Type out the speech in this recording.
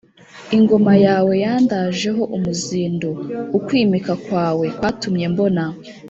ingoma yawe yandajeho umuzindu: ukwimika kwawe kwatumye mbona